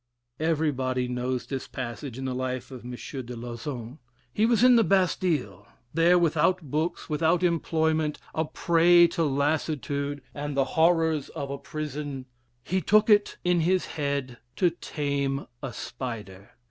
Everybody knows this passage in the life of M. de Lauzun: he was in the Bastile; there, without books, without employment, a prey to lassitude and the horrors of a prison, he took it in his head to tame a spider.